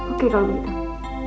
oke kalau begitu